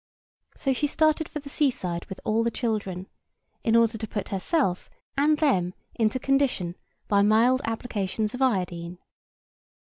So she started for the seaside with all the children, in order to put herself and them into condition by mild applications of iodine.